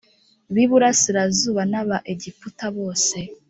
b’iburasirazuba n’aba Egiputa bose